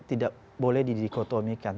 tidak boleh didikotomikan